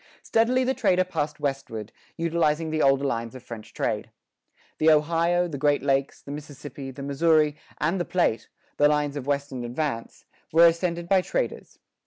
Steadily the trader passed westward, utilizing the older lines of French trade. The Ohio, the Great Lakes, the Mississippi, the Missouri, and the Platte, the lines of western advance, were ascended by traders.